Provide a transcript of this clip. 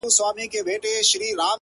خو بس دا ستا تصوير به كور وران كړو _